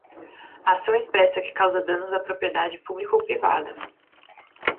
A ação expressa que causa danos à propriedade pública ou privada.